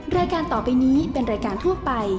รายการต่อไปนี้เป็นรายการทั่วไป